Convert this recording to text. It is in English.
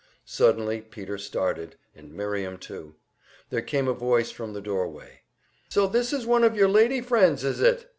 Suddenly Peter started, and Miriam too. There came a voice from the doorway. "So this is one of your lady friends, is it?"